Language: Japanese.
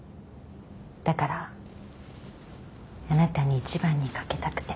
だからあなたに一番にかけたくて。